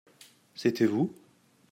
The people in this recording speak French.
C’était vous ?